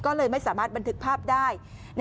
ก็เลยไม่สามารถบันทึกภาพได้